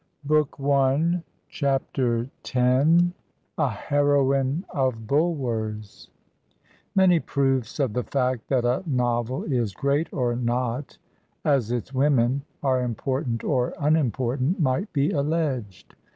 Digitized by VjOOQIC •'\ A HEROINE OF BULWER'S MANY proofs of the fact that a novel is great or not, as its women are important or unimportant, might be alleged.